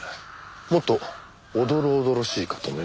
もっとおどろおどろしいかと思いましたが。